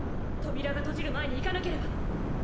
扉が閉じる前に行かなければ。